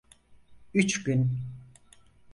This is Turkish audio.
Üç gün.